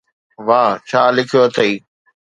واهه، ڇا لکيو اٿئي؟